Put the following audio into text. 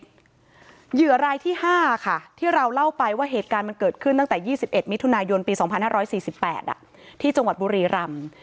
เหยื่อรายที่๕ค่ะที่เราเล่าไปว่าเหตุการณ์มันเกิดขึ้นตั้งแต่๒๑มิถุนายนปี๒๕๔๘ที่จังหวัดบุรีรำ